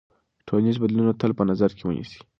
ټولنیز بدلونونه تل په نظر کې ونیسئ.